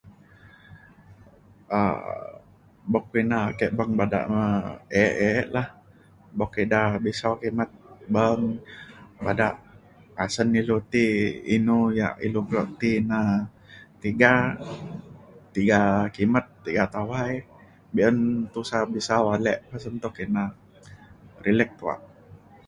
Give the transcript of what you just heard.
um buk ina ke beng bada me e e lah buk ida bisau kimet beng bada asen ilu ti inu ia' ilu kelo ti na tiga tiga kimet tiga tawai be'un tusa bisau ale pasen tuk ina rilek tuak